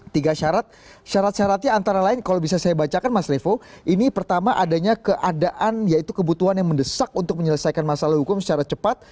tiga syarat syaratnya antara lain kalau bisa saya bacakan mas revo ini pertama adanya keadaan yaitu kebutuhan yang mendesak untuk menyelesaikan masalah hukum secara cepat